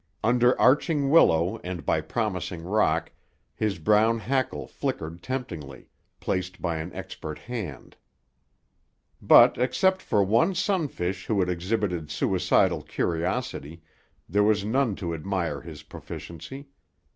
Under arching willow, and by promising rock, his brown hackle flickered temptingly, placed by an expert hand. But, except for one sunfish who had exhibited suicidal curiosity, there was none to admire his proficiency.